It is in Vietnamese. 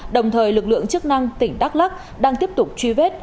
đồng thời lực lượng chức năng tỉnh đắk lắc đang tiếp tục truy vết